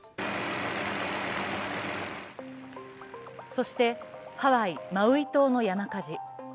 そしてハワイ・マウイ島の山火事。